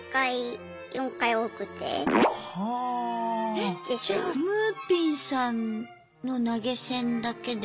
えっじゃあむーぴんさんの投げ銭だけでも。